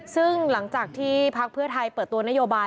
ซึ่งหลังจากที่พักเพื่อไทยเปิดตัวนโยบาย